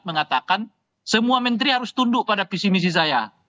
mengatakan semua menteri harus tunduk pada visi misi saya